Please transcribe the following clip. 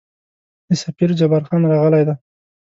د سفیر جبارخان راغلی دی.